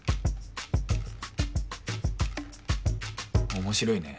面白いね。